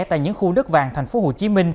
tại những khu nước vàng tp hcm